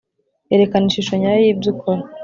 erekana ishusho nyayo yibyo ukora